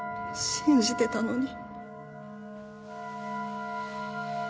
信じてたのに